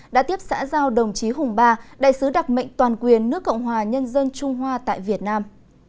đã tiếp xã giao đồng chí hùng ba đại sứ đặc mệnh toàn quyền nước cộng hòa nhân dân trung hoa tại việt nam